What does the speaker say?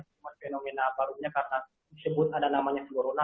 cuma fenomena barunya karena disebut ada namanya flurona